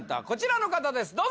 こちらの方です